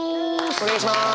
お願いします。